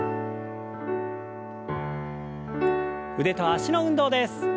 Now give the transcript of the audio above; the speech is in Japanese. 腕と脚の運動です。